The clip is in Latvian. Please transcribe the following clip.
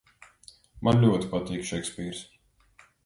Man ļoti patīk Šekspīrs!